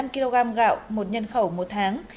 một mươi năm kg gạo một nhân khẩu một tháng